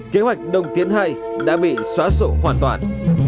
kế hoạch đông tiến ii đã bị xóa sụ hoàn toàn